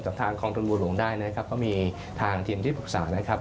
ทางกองทุนบัวหลวงได้นะครับก็มีทางทีมที่ปรึกษานะครับ